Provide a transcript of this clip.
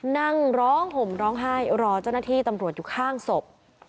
นั่งร้องห่มร้องไห้รอเจ้าหน้าที่ตำรวจอยู่ข้างศพ